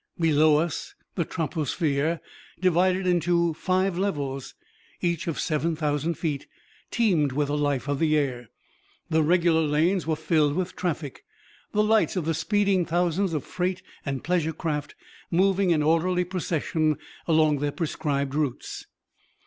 Below us the troposphere, divided into five levels, each of seven thousand feet, teemed with the life of the air. The regular lanes were filled with traffic, the lights of the speeding thousands of freight and pleasure craft moving in orderly procession along their prescribed routes.